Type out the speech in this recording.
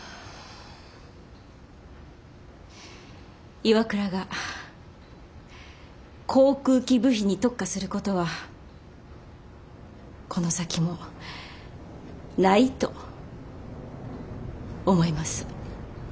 ＩＷＡＫＵＲＡが航空機部品に特化することはこの先もないと思います。